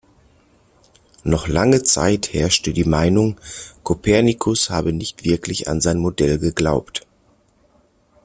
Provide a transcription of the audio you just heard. Noch lange Zeit herrschte die Meinung, Kopernikus habe nicht wirklich an sein Modell geglaubt.